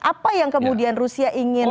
apa yang kemudian rusia ingin